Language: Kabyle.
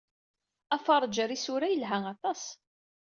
Afeṛṛeǧ ɣer isura yelha aṭas.